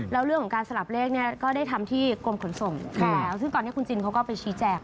แล้วเรื่องของการสลับเลขเนี่ยก็ได้ทำที่กรมขนส่งแล้วซึ่งตอนนี้คุณจินเขาก็ไปชี้แจก